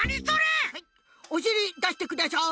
おしりだしてください。